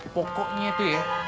pokoknya tuh ya